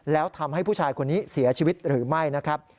แล้วทำให้ผู้ชายคนนี้เสียชีวิตหรือไม่นะครับ